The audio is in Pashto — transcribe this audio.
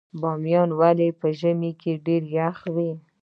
بامیان ولې په ژمي کې ډیر یخ وي؟